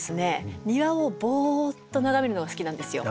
庭をぼっと眺めるのが好きなんですよ。